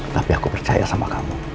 tapi aku percaya sama kamu